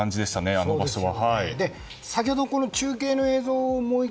あの場所は。